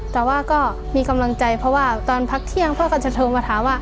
แต่ว่าก็มีกำลังใจที่พ่อถือเขาว่า